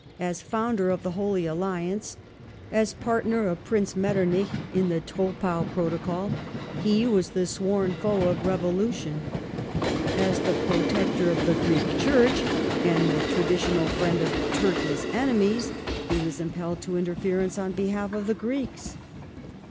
As ' founder of the Holy Alliance, as partner of Prince Metternich in the Troppau Protocol, he was the sworn foe of revolution ; as the Protector of the Greek Church and the traditional friend of Turkey's enemies , he was impelled to interference on behalf of the Greeks.